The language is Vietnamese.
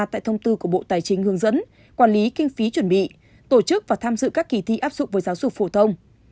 tại thông tư của bộ tài chính hướng dẫn quản lý kinh phí chuẩn bị tổ chức và tham dự các kỳ thi áp dụng với giáo dục phổ thông